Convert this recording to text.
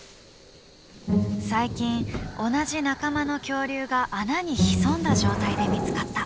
最近同じ仲間の恐竜が穴に潜んだ状態で見つかった。